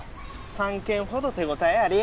３軒ほど手応えあり。